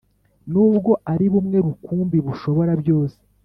N’ubwo ari bumwe rukumbi, bushobora byose,